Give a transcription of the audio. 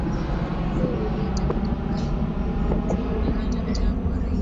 mkuu ulileta matatizo makubwa kwa uchumi na hata njaa kwa raia wengi